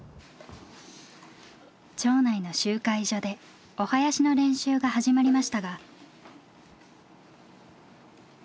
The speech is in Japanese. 町内の集会所でお囃子の練習が始まりましたが。